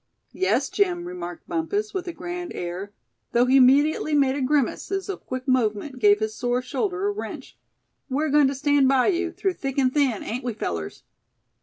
"Yes, Jim," remarked Bumpus, with a grand air, though he immediately made a grimace, as a quick movement gave his sore shoulder a wrench; "we're going to stand by you, through thick and thin, ain't we, fellers?"